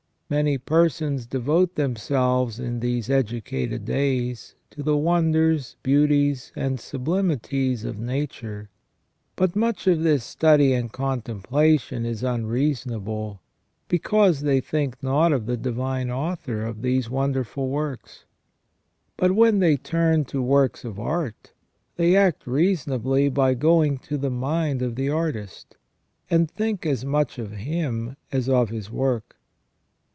Many persons devote themselves in these educated days to the wonders, beauties, and sublimities of Nature ; but much of this study and contemplation is unreasonable, because they think not of the Divine Author of these wonderful works. But when they turn to works of art, they act reasonably by going to the mind of the artist, and think as much of him as of his work.